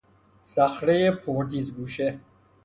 صخرهی پر تیز گوشه